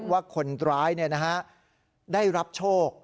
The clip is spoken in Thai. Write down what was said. ว่าคนร้ายได้รับโชค